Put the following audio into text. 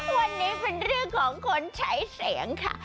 วันนี้เป็นเรื่องของคนใช้เสียงค่ะ